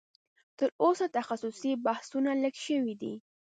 تر اوسه تخصصي بحثونه لږ شوي دي